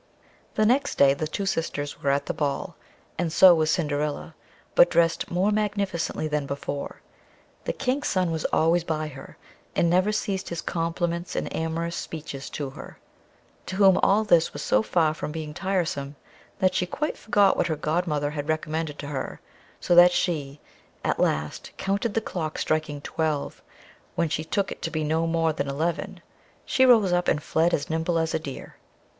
The next day the two sisters were at the ball, and so was Cinderilla, but dressed more magnificently than before. The King's son was always by her, and never ceased his compliments and amorous speeches to her; to whom all this was so far from being tiresome, that she quite forgot what her godmother had recommended to her, so that she, at last, counted the clock striking twelve, when she took it to be no more than eleven; she then rose up, and fled as nimble as a deer.